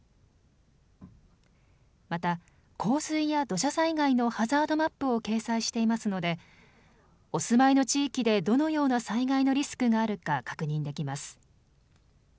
また、洪水や土砂災害のハザードマップを掲載していますのでお住まいの地域でどのような災害のリスクがあるか確認できます。